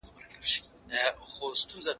زه هره ورځ سپينکۍ پرېولم؟!